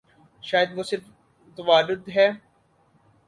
شاید وہ صرف توارد ہے۔